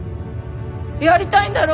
やりたいんだろ？